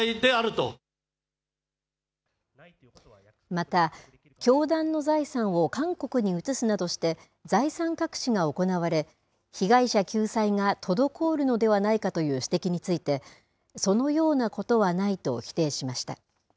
また教団の財産を韓国に移すなどして財産隠しが行われ、被害者救済が滞るのではないかという指摘について、そのようなことはないと否定しました。